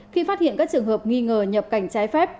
khi phát hiện các trường hợp nghi ngờ nhập cảnh trái phép